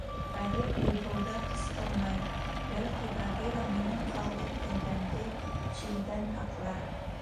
Хәҙер уйһыуҙа ҡысҡырмай, бәлки, Багира минең ҡалдыҡ кәүҙәмде Чилдән һаҡлар.